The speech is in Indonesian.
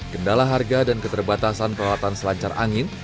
kendala harga dan keterbatasan peralatan selancar angin